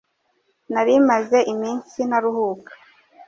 nari maze iminsi ntaruhuka